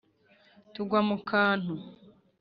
tugwa mu kantu